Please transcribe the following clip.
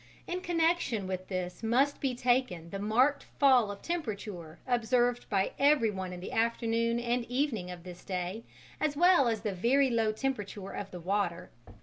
In connection with this must be taken the marked fall of temperature observed by everyone in the afternoon and evening of this day as well as the very low temperature of the water.